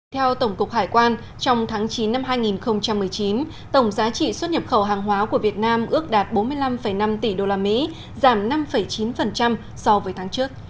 theo tổng cục hải quan trong tháng chín năm hai nghìn một mươi chín tổng giá trị xuất nhập khẩu hàng hóa của việt nam ước đạt bốn mươi năm năm tỷ usd giảm năm chín so với tháng trước